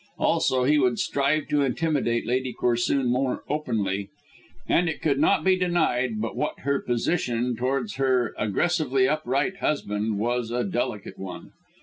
Also, he would strive to intimidate Lady Corsoon more openly, and it could not be denied but what her position towards her aggressively upright husband was a delicate one.